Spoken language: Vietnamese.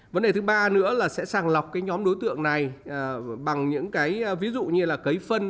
vấn đề thứ ba nữa là sẽ sàng lọc cái nhóm đối tượng này bằng những cái ví dụ như là cấy phân